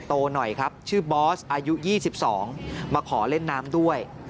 โตหน่อยครับชื่อบอสอายุ๒๒มาขอเล่นน้ำด้วย